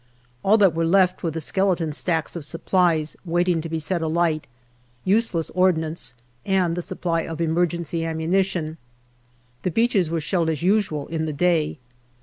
All that were left were the skeleton stacks of supplies, waiting to be set alight, useless ordnance, and the supply of emergency ammunition. The beaches were shelled as usual in the day.